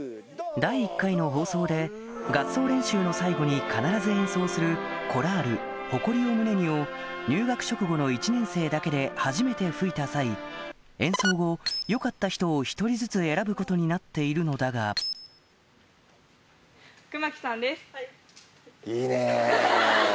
第１回の放送で合奏練習の最後に必ず演奏するコラール『誇りを胸に』を入学直後の１年生だけで初めて吹いた際演奏後良かった人を１人ずつ選ぶことになっているのだがいいね。